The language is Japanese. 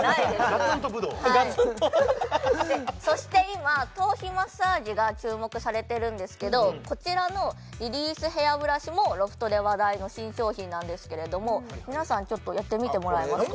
ガツンとはははははそして今頭皮マッサージが注目されてるんですけどこちらのリリースヘアブラシもロフトで話題の新商品なんですけれども皆さんちょっとやってみてもらえますか？